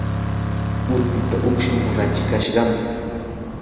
urpipa ukshun rachikashqam.